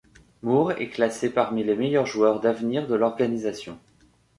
Moore est classé parmi les meilleurs joueurs d'avenir de l'organisation.